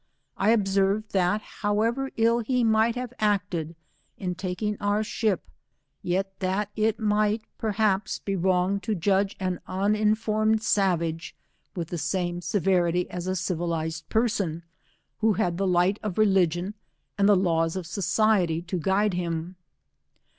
1 obser ved that however ill he might have acted ia taking our ship, yet that it might, perhaps, be wrong to judge an uninformed savage, with the same severity as a civilized person, who had the light of religion and the laws of society to guide him.